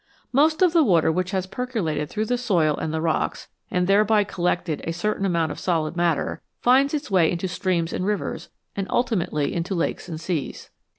Most of the water which has percolated through the soil and the rocks, and thereby collected a certain amount of solid matter, finds its way into streams and rivers and ultimately into lakes and seas.